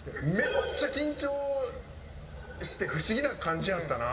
めっちゃ緊張して不思議な感じやったな。